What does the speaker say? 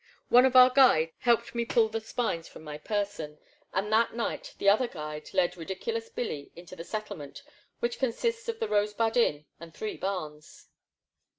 One of our guides helped me pull the spines from my person, and that night the other guide led Ridiculous Billy into the settlement which consists of the Rosebud Inn and three bams.